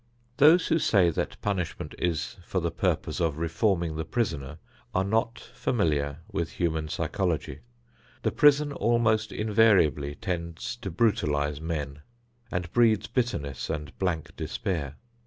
Those who say that punishment is for the purpose of reforming the prisoner are not familiar with human psychology. The prison almost invariably tends to brutalize men and breeds bitterness and blank despair.